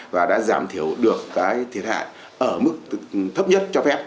và đã giảm thiểu được cái thiệt hại ở mức thấp nhất cho phép